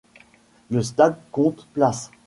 Le stade compte places.